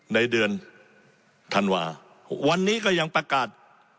ในเดือนธันวาวันนี้ก็ยังประกาศ